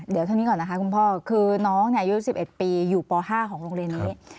เดี๋ยวเท่านี้ก่อนนะคะคุณพ่อคือน้องอายุ๑๑ปีอยู่ป๕ของโรงเรียนนี้